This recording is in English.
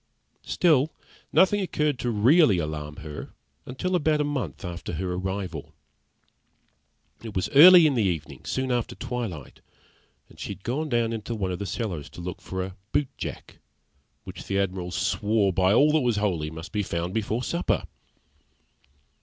Still nothing occurred to really alarm her till about a month after her arrival. It was early in the evening, soon after twilight, and she had gone down into one of the cellars to look for a boot jack, which the Admiral swore by all that was holy must be found before supper.